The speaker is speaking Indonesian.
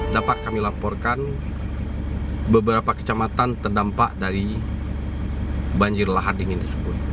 dapat kami laporkan beberapa kecamatan terdampak dari banjirlah harjung ini